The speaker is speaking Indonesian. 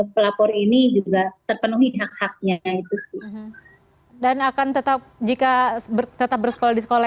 pelapor ini juga terpenuhi hak haknya itu sih dan akan tetap jika tetap bersekolah di sekolah